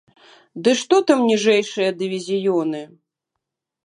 Ды што там ніжэйшыя дывізіёны!